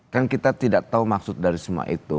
kan kita tidak tahu maksud dari semua itu